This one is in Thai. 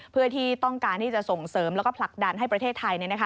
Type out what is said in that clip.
เพื่อที่ต้องการที่จะส่งเสริมแล้วก็ผลักดันให้ประเทศไทย